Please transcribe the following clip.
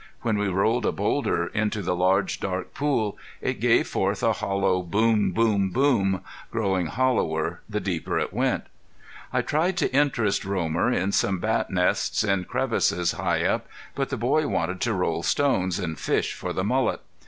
When we rolled a boulder into the large, dark pool it gave forth a hollow boom, boom, boom, growing hollower the deeper it went. I tried to interest Romer in some bat nests in crevices high up, but the boy wanted to roll stones and fish for the mullet.